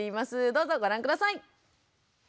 どうぞご覧下さい。